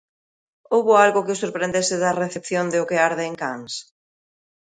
Houbo algo que o sorprendese da recepción de "O que arde" en Cannes?